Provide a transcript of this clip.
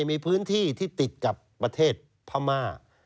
มีพื้นที่ที่ติดกับประเทศพม่า